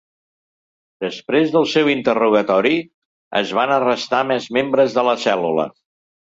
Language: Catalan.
Després del seu interrogatori, es van arrestar més membres de la cèl·lula.